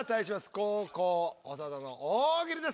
後攻長田の大喜利です。